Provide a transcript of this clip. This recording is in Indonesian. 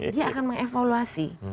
dia akan mengevaluasi